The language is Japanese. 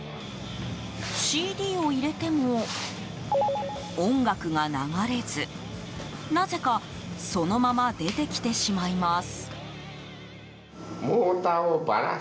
ＣＤを入れても、音楽が流れずなぜかそのまま出てきてしまいます。